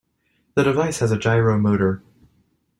The device has a gyro motor.